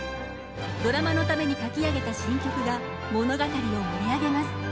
ドラマのために書き上げた新曲が物語を盛り上げます。